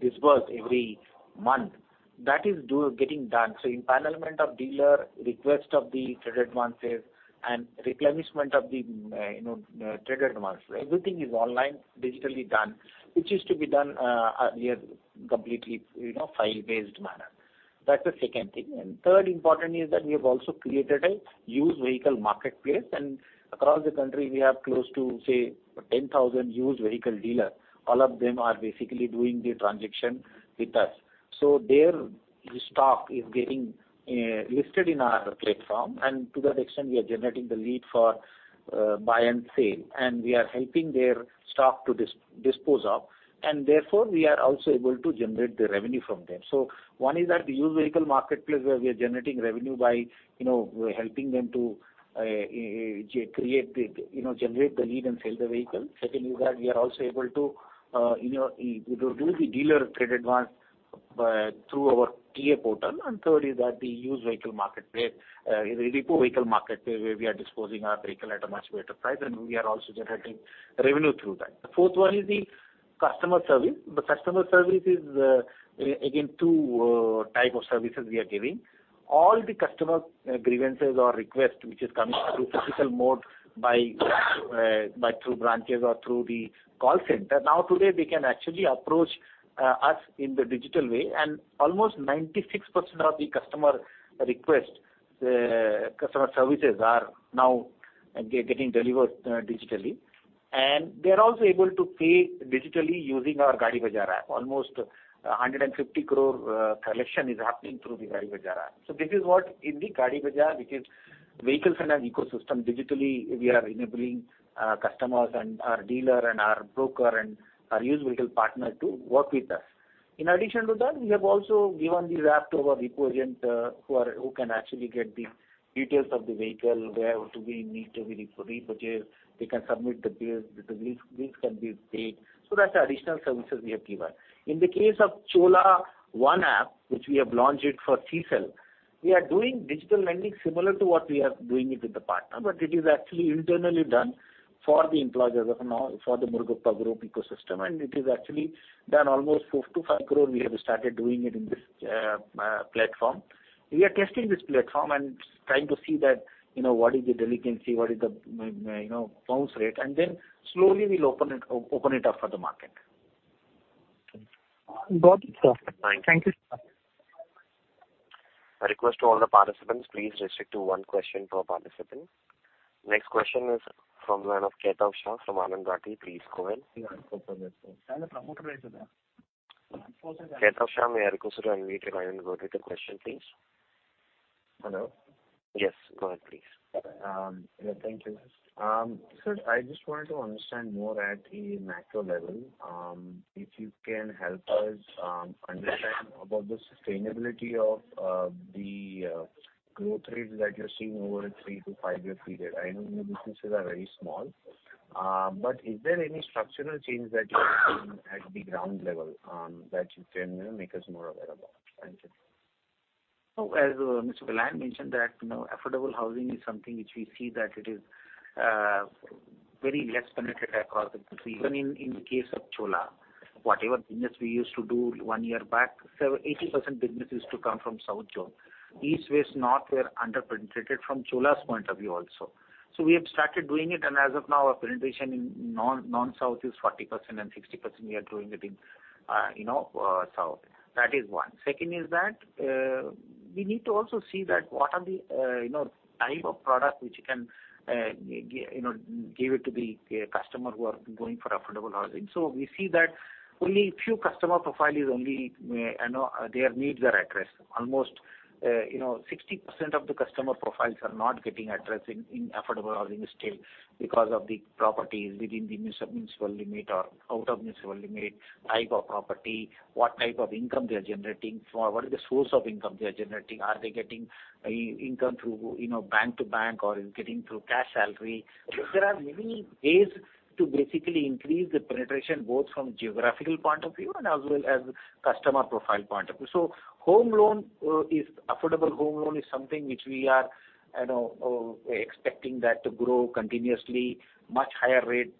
disbursed every month, that is getting done. Empowerment of dealer, request of the trade advances and replenishment of the, you know, trade advances. Everything is online, digitally done, which used to be done, completely, you know, file-based manner. That's the second thing. Third important is that we have also created a used vehicle marketplace, and across the country, we have close to, say, 10,000 used vehicle dealer. All of them are basically doing the transaction with us. Their stock is getting listed in our platform, and to that extent, we are generating the lead for buy and sell, and we are helping their stock to dispose of, and therefore we are also able to generate the revenue from them. One is that the used vehicle marketplace, where we are generating revenue by, you know, helping them to create the, you know, generate the lead and sell the vehicle. Second is that we are also able to do the dealer trade advance through our TA portal. Third is that the used vehicle market, where the repo vehicle market, where we are disposing our vehicle at a much better price, and we are also generating revenue through that. The fourth one is the customer service. The customer service is, again, 2 type of services we are giving. All the customer grievances or request, which is coming through physical mode by through branches or through the call center. Now, today, they can actually approach us in the digital way, and almost 96% of the customer request, customer services are now getting delivered digitally. And they are also able to pay digitally using our Gaadi Bazaar app. Almost 150 crore collection is happening through the Gaadi Bazaar app. This is what is the Gaadi Bazaar, which is vehicle finance ecosystem. Digitally, we are enabling customers and our dealer and our broker and our used vehicle partner to work with us. In addition to that, we have also given the app to our repo agent, who are, who can actually get the details of the vehicle, where to be need to be repo, repurchased. They can submit the bills, the lease, lease can be paid. That's the additional services we have given. In the case of Chola One App, which we have launched it for C-Cell... We are doing digital lending similar to what we are doing it with the partner, it is actually internally done for the employees as of now, for the Murugappa Group ecosystem, it is actually done almost 4-5 crore. We have started doing it in this platform. We are testing this platform and trying to see that, you know, what is the delinquency, what is the, you know, bounce rate, and then slowly we'll open it, open it up for the market. Got it, sir. Thank you. Thank you, sir. A request to all the participants: please restrict to one question per participant. Next question is from the line of Kaustubh T from Anand Rathi. Please go ahead. Kaustubh T, may I request you to unmute your line and go ahead with your question, please. Hello? Yes, go ahead, please. Thank you. Sir, I just wanted to understand more at a macro level, if you can help us understand about the sustainability of the growth rate that you're seeing over a 3- to 5-year period. I know your businesses are very small, but is there any structural change that you're seeing at the ground level, that you can make us more aware about? Thank you. As D. Balaji mentioned that, you know, affordable housing is something which we see that it is very less penetrated across the country. Even in, in the case of Chola, whatever business we used to do 1 year back, 70%-80% business used to come from South Zone. East, West, North were under-penetrated from Chola's point of view also. We have started doing it, and as of now, our penetration in non, non-South is 40%, and 60% we are doing it in South. That is one. Second is that we need to also see that what are the, you know, type of product which can you know, give it to the customer who are going for affordable housing. We see that only few customer profile is only, you know, their needs are addressed. Almost, you know, 60% of the customer profiles are not getting addressed in, in affordable housing still, because of the properties within the municipal limit or out of municipal limit, type of property, what type of income they are generating, or what is the source of income they are generating? Are they getting income through, you know, bank to bank or getting through cash salary? There are many ways to basically increase the penetration, both from geographical point of view and as well as customer profile point of view. Home loan, Affordable home loan is something which we are, I know, expecting that to grow continuously, much higher rate,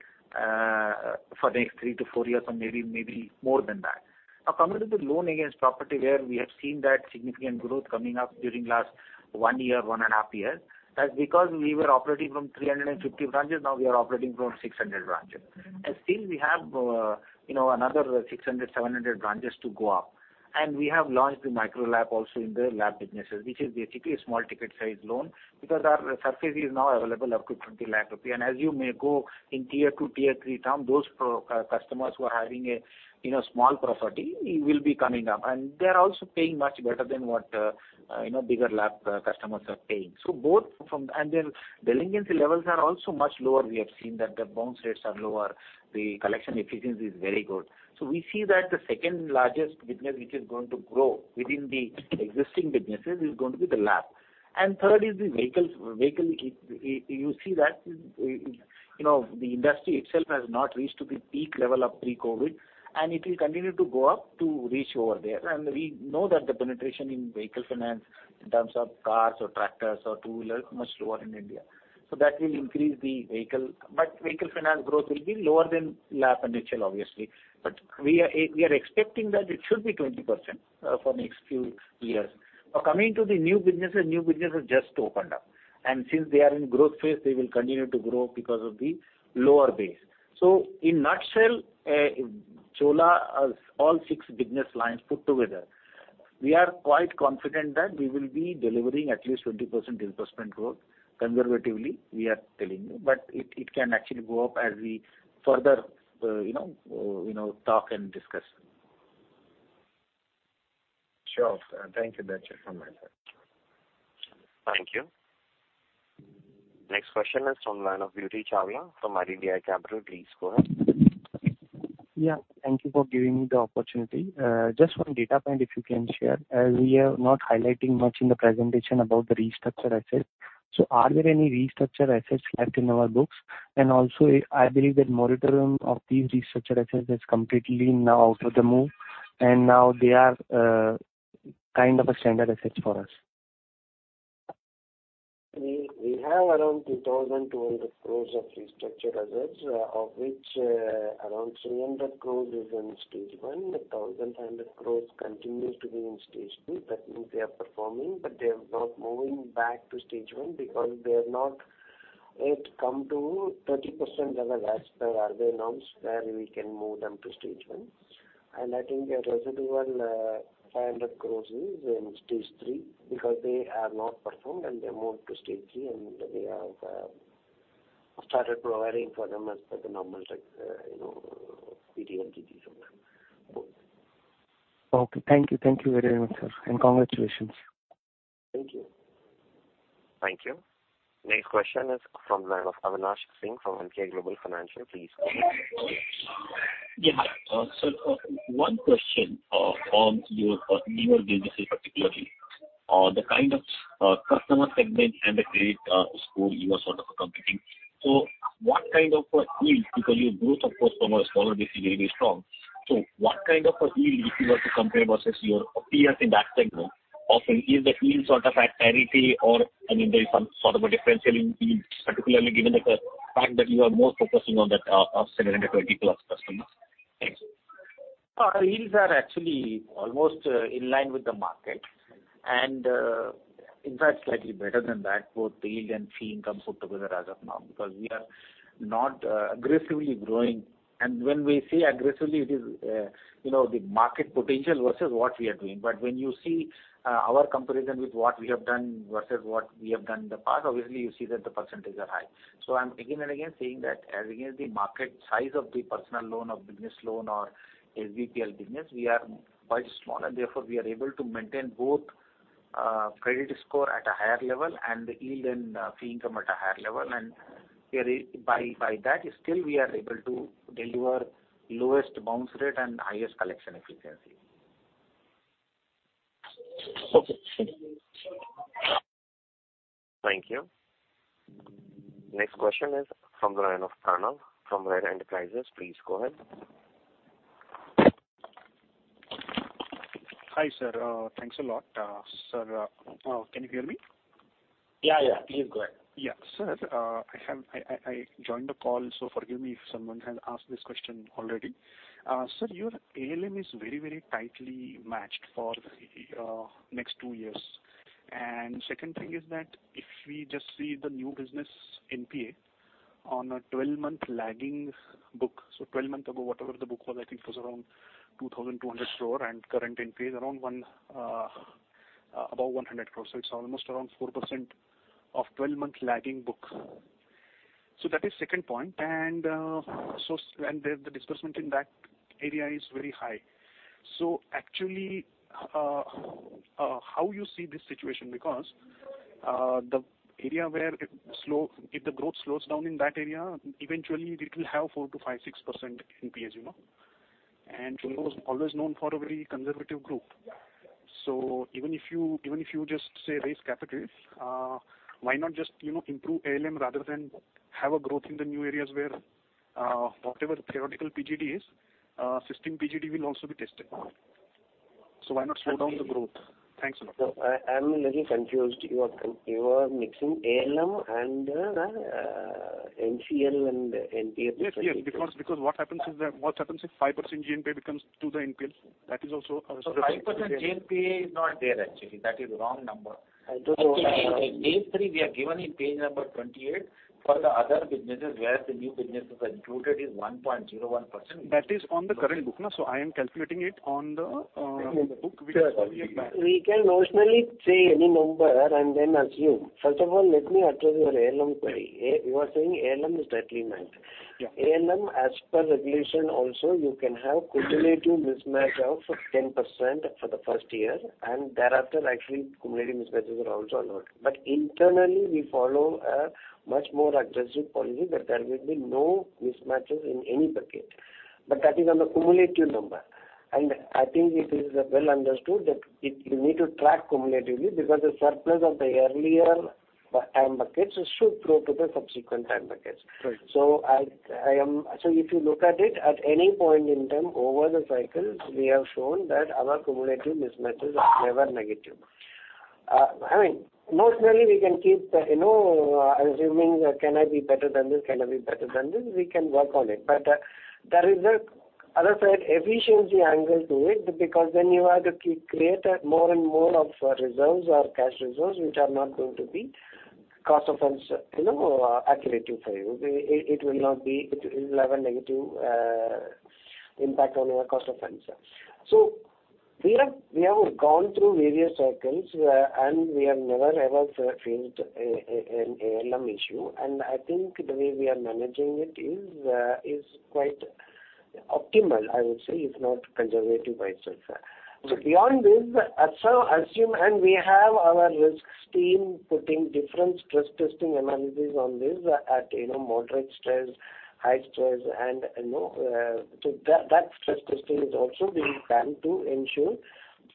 for the next 3-4 years, or maybe, maybe more than that. Coming to the loan against property, where we have seen that significant growth coming up during last one year, one and a half year, that's because we were operating from 350 branches, now we are operating from 600 branches. Still we have, you know, another 600, 700 branches to go up. We have launched the micro LAP also in the LAP businesses, which is basically a small ticket size loan, because our surface is now available up to 20 lakh rupees. As you may go in Tier 2, Tier 3 town, those customers who are having a, you know, small property, will be coming up, and they are also paying much better than what, you know, bigger LAP customers are paying. Both from... Then delinquency levels are also much lower. We have seen that the bounce rates are lower, the collection efficiency is very good. We see that the second largest business, which is going to grow within the existing businesses, is going to be the LAP. Third is the vehicles. Vehicle, you see that, you know, the industry itself has not reached to the peak level of pre-COVID, and it will continue to go up to reach over there. We know that the penetration in vehicle finance, in terms of cars or tractors or two-wheeler, is much lower in India. That will increase the vehicle. Vehicle finance growth will be lower than LAP and HL, obviously. We are, we are expecting that it should be 20% for the next few years. Now, coming to the new businesses, new businesses just opened up, and since they are in growth phase, they will continue to grow because of the lower base. In nutshell, Chola, as all six business lines put together, we are quite confident that we will be delivering at least 20% disbursement growth. Conservatively, we are telling you, but it, it can actually go up as we further, you know, you know, talk and discuss. Sure, sir. Thank you very much. Thank you. Next question is from the line of Yuvraj Choudhary from UTI Mutual Fund. Please go ahead. Yeah, thank you for giving me the opportunity. Just 1 data point, if you can share, as we are not highlighting much in the presentation about the restructure assets. Are there any restructure assets left in our books? I believe that moratorium of these restructure assets is completely now out of the move, and now they are kind of a standard assets for us. We, we have around 2,200 crore of restructured assets, of which, around 300 crore is in stage one, 1,100 crore continues to be in stage two. That means they are performing, but they have not moving back to stage one because they have not yet come to 30% level as per our norms, where we can move them to stage one. I think the residual, 500 crore is in stage three, because they have not performed and they moved to stage three, and they have started providing for them as per the normal, you know, PDMDD program. Okay. Thank you. Thank you very much, sir, and congratulations. Thank you. Thank you. Next question is from the line of Avinash Singh from Emkay Global Financial. Please go ahead. Yeah. Hi. One question, on your personal business, particularly, the kind of.... customer segment and the credit, score you are sort of competing. What kind of a yield, because your growth of customers overall is really strong. What kind of a yield, if you were to compare versus your peers in that segment, or is the yield sort of at parity or, I mean, there is some sort of a differential in yield, particularly given the fact that you are more focusing on that, 720+ customers? Thanks. Our yields are actually almost in line with the market, in fact, slightly better than that, both the yield and fee income put together as of now, because we are not aggressively growing. When we say aggressively, it is, you know, the market potential versus what we are doing. When you see our comparison with what we have done versus what we have done in the past, obviously you see that the percentages are high. I'm again and again saying that as against the market size of the personal loan or business loan or SVPL business, we are quite small, therefore we are able to maintain both credit score at a higher level and the yield and fee income at a higher level. We are by that, still we are able to deliver lowest bounce rate and highest collection efficiency. Okay, thank you. Thank you. Next question is from the line of Pranav from Rare Enterprises. Please go ahead. Hi, sir. Thanks a lot. Sir, can you hear me? Yeah, yeah. Please go ahead. Yeah. Sir, I have, I, I, joined the call, so forgive me if someone has asked this question already. Sir, your ALM is very, very tightly matched for the 2 years. Second thing is that if we just see the new business NPA on a 12-month lagging book, so 12 months ago, whatever the book was, I think it was around 2,200 crore, and current NPA is around 100 crore. It's almost around 4% of 12-month lagging book. That is second point. The disbursement in that area is very high. Actually, how you see this situation? Because the area where it slow... if the growth slows down in that area, eventually it will have 4 to 5, 6% NPA, as you know. Juno is always known for a very conservative group. Even if you, even if you just, say, raise capital, why not just, you know, improve ALM rather than have a growth in the new areas where, whatever the theoretical PGD is, system PGD will also be tested. Why not slow down the growth? Thanks a lot. Sir, I, I'm a little confused. You are, you are mixing ALM and NCL and NPA. Yes, yes, because, because what happens is that, what happens if 5% GNPA becomes to the NPA? That is also a- 5% GNPA is not there, actually. That is wrong number. In page 3, we have given in page number 28, for the other businesses, where the new business is included, is 1.01%. That is on the current book now, so I am calculating it on the book which is still yet. We can notionally say any number and then assume. First of all, let me address your ALM query. You are saying ALM is tightly matched. Yeah. ALM, as per regulation also, you can have cumulative mismatch of 10% for the first year. Thereafter, actually, cumulative mismatches are also allowed. Internally, we follow a much more aggressive policy, that there will be no mismatches in any bucket. That is on the cumulative number. I think it is well understood that you need to track cumulatively, because the surplus of the earlier time buckets should flow to the subsequent time buckets. Right. So if you look at it, at any point in time over the cycle, we have shown that our cumulative mismatches are never negative. I mean, mostly we can keep, you know, assuming, can I be better than this, can I be better than this? We can work on it. There is a other side, efficiency angle to it, because then you have to create more and more of reserves or cash reserves, which are not going to be cost-effective, you know, accurate for you. It, it will not be. It will have a negative impact on your cost-effective. We have, we have gone through various cycles, and we have never, ever faced a, a, an ALM issue, and I think the way we are managing it is, is quite optimal, I would say, if not conservative by itself. Beyond this, we have our risk team putting different stress testing analyses on this at, you know, moderate stress, high stress, and, you know, so that stress testing is also being planned to ensure,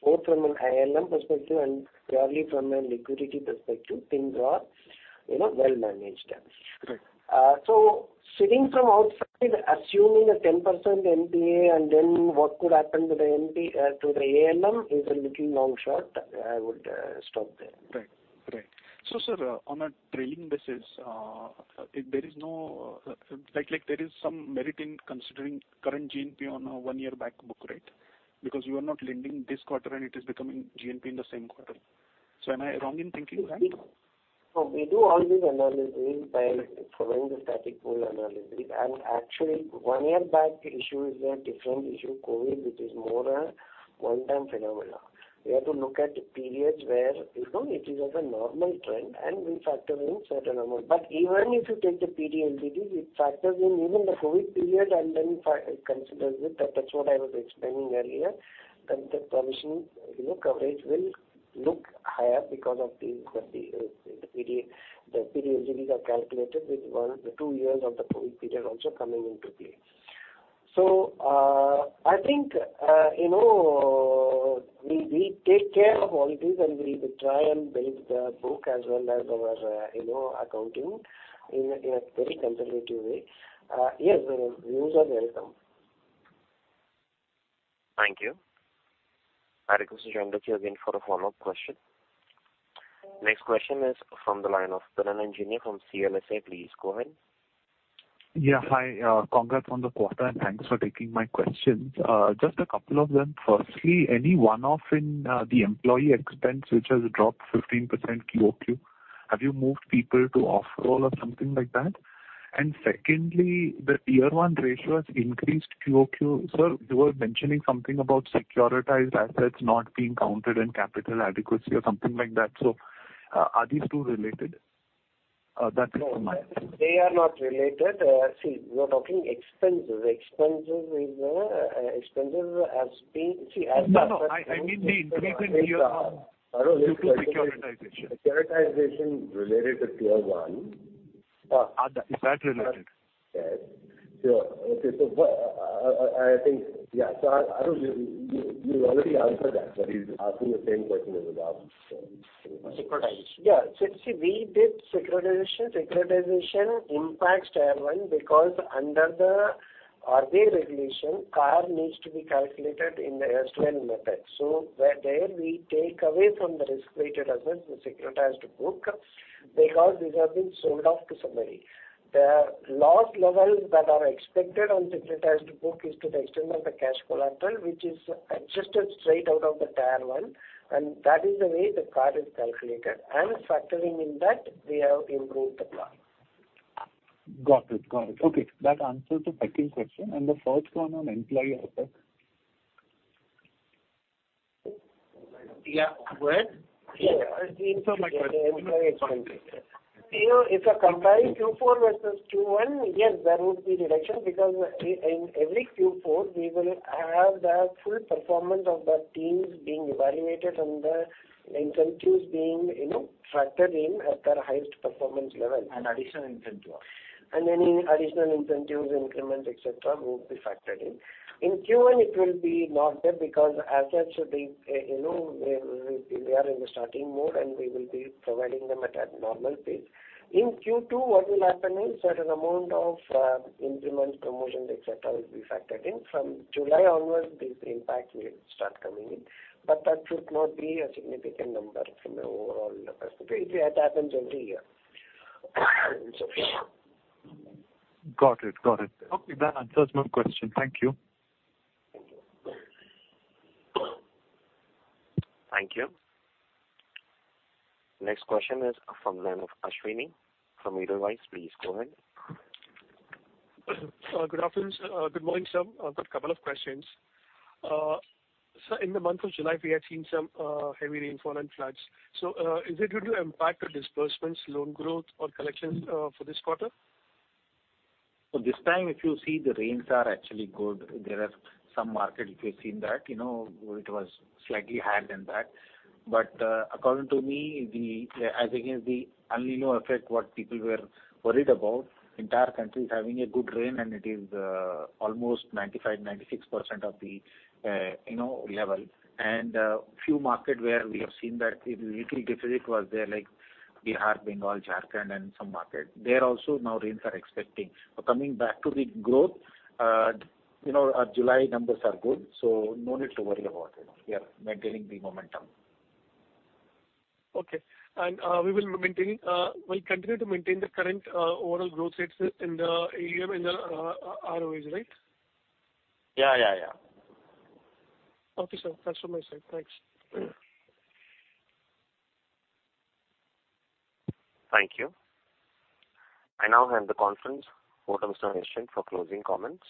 both from an ALM perspective and purely from a liquidity perspective, things are, you know, well managed. Right. Sitting from outside, assuming a 10% NPA and then what could happen to the ALM is a little long shot. I would stop there. Right. Right. sir, on a trailing basis, if there is no, there is some merit in considering current GNPA on a 1-year back book, right? Because you are not lending this quarter and it is becoming GNPA in the same quarter. am I wrong in thinking that? No, we do all these analysis by following the static pool analysis. Actually, one year back issue is a different issue, COVID, which is more a one-time phenomena. We have to look at the periods where, you know, it is of a normal trend and we factor in certain amount. Even if you take the PD and PD, it factors in even the COVID period and then considers it. That, that's what I was explaining earlier, that the permission, you know, coverage will look higher because of these effects. The PD, the PDLGD are calculated with one, the two years of the pool period also coming into play. I think, you know, we, we take care of all this, and we will try and build the book as well as our, you know, accounting in a, in a very conservative way. Yes, views are welcome. Thank you. Aditya Susarla, you again for a follow-up question. Next question is from the line of Taran Engineer from CLSA. Please go ahead. Yeah. Hi, congrats on the quarter, and thanks for taking my questions. Just a couple of them. Firstly, any one-off in the employee expense, which has dropped 15% QOQ, have you moved people to off-role or something like that? Secondly, the Tier 1 ratio has increased QOQ. Sir, you were mentioning something about securitized assets not being counted in capital adequacy or something like that. Are these two related? That's from my end. They are not related. See, we're talking expenses. Expenses is expenses as being. No, I mean, the increase in year 1 due to securitization. Securitization related to Tier 1. Is that related? Yes. Okay, I think, yeah, Arulselvan, you, you already answered that. He's asking the same question again. Securitization. Yeah. See, we did securitization. Securitization impacts Tier 1, because under the RBI regulation, CAR needs to be calculated in the SL method. Where there we take away from the risk-weighted assets, the securitized book, because these have been sold off to somebody. The loss levels that are expected on securitized book is to the extent of the cash collateral, which is adjusted straight out of the Tier 1, and that is the way the CAR is calculated. Factoring in that, we have improved the CAR. Got it. Got it. Okay, that answers the second question, and the first one on employee output. Yeah, go ahead. Yeah, my question. You know, if you're comparing Q4 versus Q1, yes, there would be reduction, because in every Q4, we will have the full performance of the teams being evaluated and the incentives being, you know, factored in at their highest performance level. Additional incentives. Any additional incentives, increments, et cetera, would be factored in. In Q1, it will be not there because assets should be, you know, we are in the starting mode, and we will be providing them at a normal pace. In Q2, what will happen is certain amount of increments, promotions, et cetera, will be factored in. From July onwards, the impact will start coming in, but that should not be a significant number from the overall numbers. Okay? It happens every year. Got it. Got it. Okay, that answers my question. Thank you. Thank you. Thank you. Next question is from the line of Ashwini from Edelweiss. Please go ahead. Good afternoon. Good morning, sir. I've got a couple of questions. In the month of July, we had seen some heavy rainfall and floods. Is it going to impact the disbursements, loan growth or collections for this quarter? This time, if you see, the rains are actually good. There are some market, if you've seen that, you know, it was slightly higher than that. According to me, I think it's the only no effect what people were worried about. Entire country is having a good rain, and it is almost 95%, 96% of the, you know, level. Few market where we have seen that it is little deficit was there, like, Bihar, Bengal, Jharkhand and some market. There also now rains are expecting. Coming back to the growth, you know, our July numbers are good, so no need to worry about it. We are maintaining the momentum. Okay. We will maintain, we'll continue to maintain the current overall growth rates in the AUM and the ROAs, right? Yeah, yeah, yeah. Okay, sir. That's from my side. Thanks. Yeah. Thank you. I now hand the conference over to Nishant for closing comments.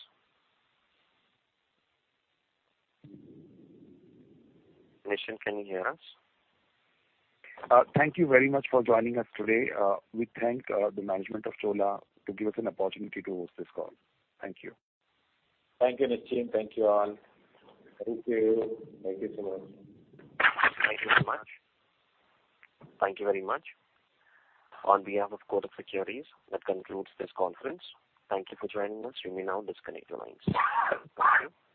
Nishant, can you hear us? Thank you very much for joining us today. We thank the management of Chola to give us an opportunity to host this call. Thank you. Thank you, Nishant. Thank you, all. Thank you. Thank you so much. Thank you very much. Thank you very much. On behalf of Kotak Securities, that concludes this conference. Thank you for joining us. You may now disconnect your lines. Thank you.